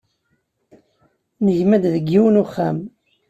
Negma-d deg yiwen uxxam